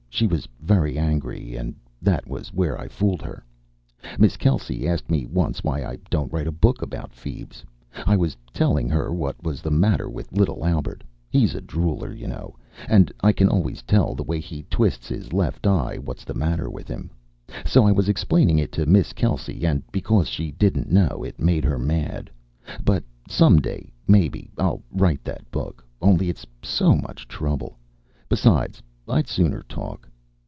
She was very angry, and that was where I fooled her. Miss Kelsey asked me once why I don't write a book about feebs. I was telling her what was the matter with little Albert. He's a drooler, you know, and I can always tell the way he twists his left eye what's the matter with him. So I was explaining it to Miss Kelsey, and, because she didn't know, it made her mad. But some day, mebbe, I'll write that book. Only it's so much trouble. Besides, I'd sooner talk.